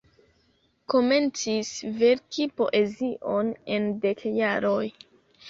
Komencis verki poezion en dek jaroj.